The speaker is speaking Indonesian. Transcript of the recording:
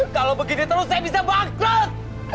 kalau begini terus saya bisa bangkrut